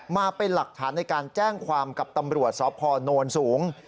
มาเป็นหลักฐานในการแจ้งความกับตำรวจสพนสูง